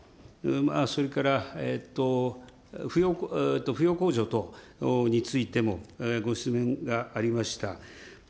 それから扶養控除等についてもご質問がありました。